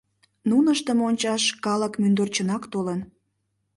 Нуныштым ончаш калык мӱндырчынак толын.